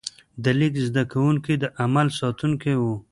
د لیک زده کوونکي د علم ساتونکي وو.